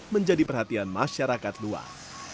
menjadi perhatian masyarakat luar